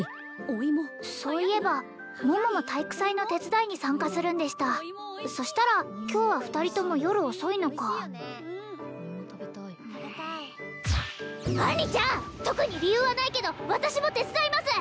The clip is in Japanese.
おいもそういえば桃も体育祭の手伝いに参加するんでしたそしたら今日は２人とも夜遅いのか杏里ちゃん特に理由はないけど私も手伝います！